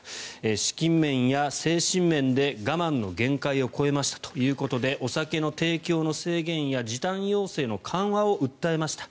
資金面や精神面で、我慢の限界を超えましたということでお酒の提供の制限や時短要請の緩和を訴えました。